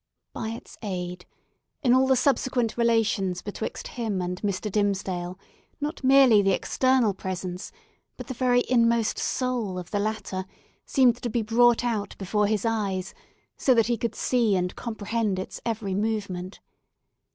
By its aid, in all the subsequent relations betwixt him and Mr. Dimmesdale, not merely the external presence, but the very inmost soul of the latter, seemed to be brought out before his eyes, so that he could see and comprehend its every movement.